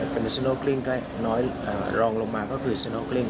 เป็นสโนกลิ้งก็น้อยรองลงมาก็คือสโนกลิ้ง